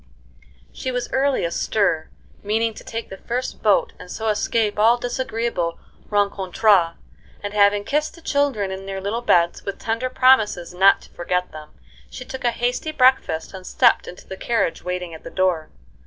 She was early astir, meaning to take the first boat and so escape all disagreeable rencontres, and having kissed the children in their little beds, with tender promises not to forget them, she took a hasty breakfast and stepped into the carriage waiting at the door.